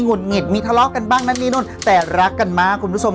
ุดหงิดมีทะเลาะกันบ้างนั่นนี่นู่นแต่รักกันมากคุณผู้ชม